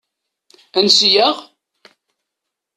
Ansi-aɣ?